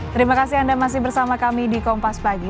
terima kasih anda masih bersama kami di kompas pagi